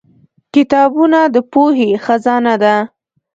کتابونه د پوهې خزانه ده.